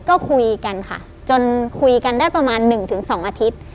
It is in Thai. ก็คุยกันค่ะจนคุยกันได้ประมาณ๑๒อาทิตย์